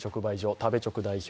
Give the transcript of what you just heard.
食べチョク代表